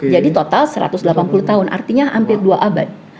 jadi total satu ratus delapan puluh tahun artinya hampir dua abad